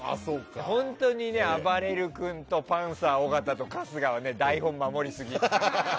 本当にあばれる君とパンサー尾形と春日は台本を守りすぎ。